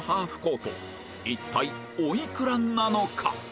一体おいくらなのか？